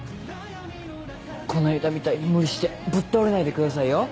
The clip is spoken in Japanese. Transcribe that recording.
この間みたいに無理してぶっ倒れないでくださいよ。